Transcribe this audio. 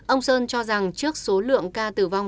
ông sơn cho rằng trước số lượng ca tử vong